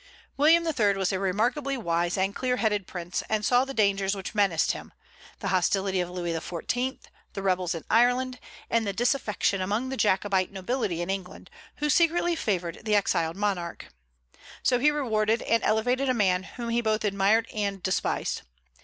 William III. was a remarkably wise and clearheaded prince, and saw the dangers which menaced him, the hostility of Louis XIV., the rebels in Ireland, and the disaffection among the Jacobite nobility in England, who secretly favored the exiled monarch. So he rewarded and elevated a man whom he both admired and despised.